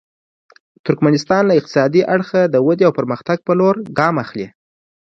ترکمنستان له اقتصادي اړخه د ودې او پرمختګ په لور ګام اخلي.